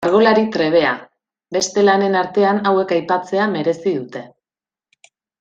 Margolari trebea, beste lanen artean hauek aipatzea merezi dute.